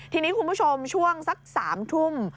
ทีนี้คุณผู้ชมช่วงสัก๓ทุ่ม